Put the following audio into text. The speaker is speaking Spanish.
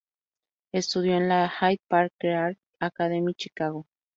Estudió en la Hyde Park Career Academy, Chicago.